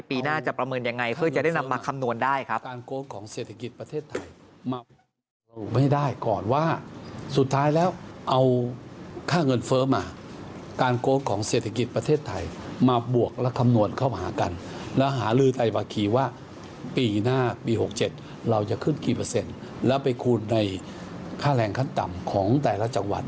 ปีหน้าจะประเมินยังไงเพื่อจะได้นำมาคำนวณได้ครับ